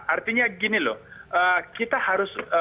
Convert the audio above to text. artinya gini loh kita harus